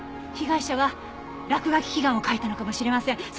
被害者はらくがき祈願を書いたのかもしれません。